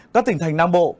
các tỉnh thành nam bộ